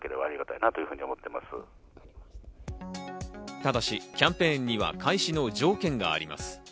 ただし、キャンペーンには開始の条件があります。